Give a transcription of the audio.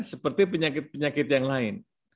seperti penyakit penyakit yang lain